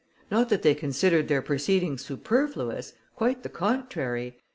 Not that they considered their proceedings superfluous; quite the contrary.